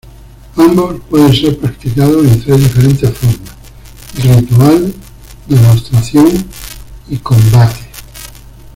Ambos pueden ser practicados en tres diferentes formas: ritual, demostración y combate.